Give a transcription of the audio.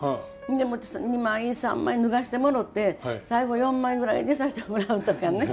で２枚３枚脱がしてもろて最後４枚ぐらいでさしてもらうとかね。